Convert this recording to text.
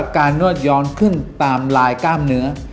นวดย้อนขึ้นตามลายกล้ามเนื้อ